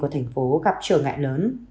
của thành phố gặp trở ngại lớn